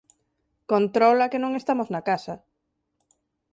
Controla! Que non estamos na casa